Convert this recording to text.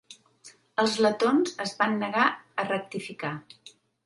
Els letons es van negar a rectificar.